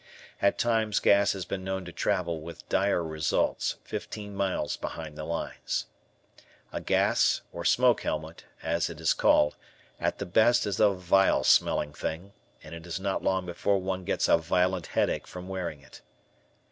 At times, gas has been known to travel, with dire results, fifteen miles behind the lines. A gas, or smoke helmet, as it is called, at the best is a vile smelling thing, and it is not long before one gets a violent headache from wearing it.